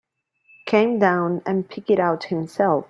Came down and picked it out himself.